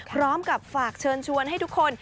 พร้อมกับฝากเชิญชวนให้ทุกคน